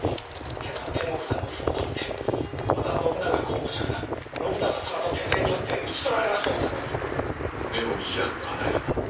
今朝天目山の麓にて織田信長公ご嫡男信忠様の手勢によって討ち取られましてございます。